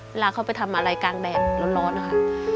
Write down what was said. เวลาเขาไปทำอะไรกลางแดดร้อนนะคะ